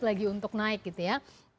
lagi untuk naik gitu ya